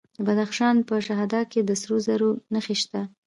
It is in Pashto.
د بدخشان په شهدا کې د سرو زرو نښې شته.